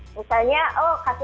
misalnya oh kasus ini sampai sini